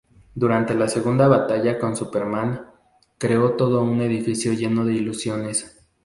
Durante su segunda batalla con Superman, creó todo un edificio lleno de ilusiones.